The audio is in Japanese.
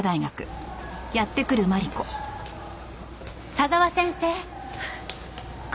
佐沢先生！